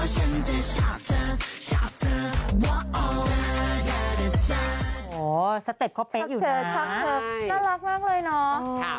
ชอบเธอชอบเธอน่ารักมากเลยเนอะ